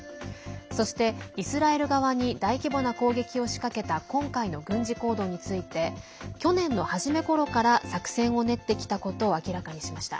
そして、イスラエル側に大規模な攻撃を仕掛けた今回の軍事行動について去年の初めころから作戦を練ってきたことを明らかにしました。